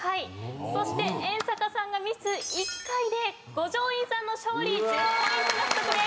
そして遠坂さんがミス１回で五条院さんの勝利１０ポイント獲得です。